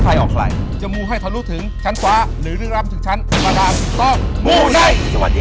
โปรดติดตามตอนต่อไป